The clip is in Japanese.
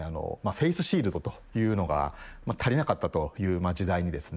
フェイスシールドというのが足りなかったという時代にですね